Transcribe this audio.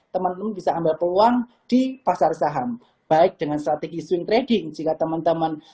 temen temen bisa ambil peluang di pasar saham baik dengan strategi swing trading jika temen temen